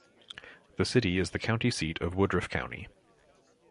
The city is the county seat of Woodruff County.